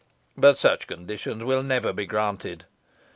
But such conditions will never be granted.